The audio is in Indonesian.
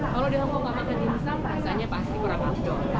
kalau di hongkong gak makan dimsum rasanya pasti kurang agak jodoh